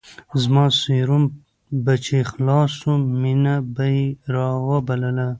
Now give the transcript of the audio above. زما سيروم به چې خلاص سو مينه به يې راوبلله.